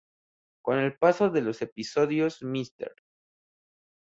Con el paso de los episodios, Mr.